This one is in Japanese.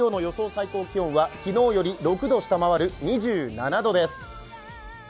最高気温は昨日より６度下回る２７度です。